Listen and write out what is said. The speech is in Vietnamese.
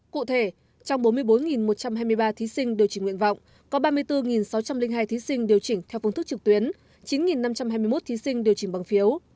cụ thể trong bốn mươi bốn một trăm hai mươi ba thí sinh điều chỉnh nguyện vọng có ba mươi bốn sáu trăm linh hai thí sinh điều chỉnh theo phương thức trực tuyến chín năm trăm hai mươi một thí sinh điều chỉnh bằng phiếu